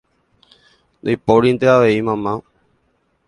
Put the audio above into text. ndaipórinte avei mama